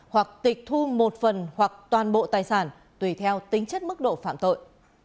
hoặc tịch thu một phần hoặc toàn bộ tài sản tùy theo tính chất mức độ phạm tội